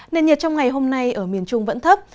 nền nhiệt trong ngày hôm nay ở miền trung vẫn thấp